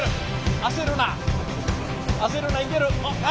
焦るないける。